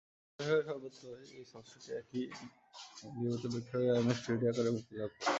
যুক্তরাষ্ট্র ছাড়া সর্বত্রই এই ষষ্ঠ চলচ্চিত্রটি একই সঙ্গে নিয়মিত প্রেক্ষাগৃহ ও আইম্যাক্স থ্রি-ডি আকারে মুক্তিলাভ করে।